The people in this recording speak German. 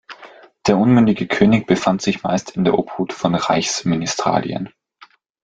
Der unmündige König befand sich meist in der Obhut von Reichsministerialen.